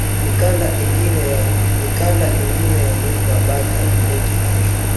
Mikanda ingine ya nyumba bata ileta kesho